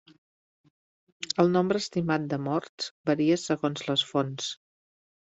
El nombre estimat de morts varia segons les fonts.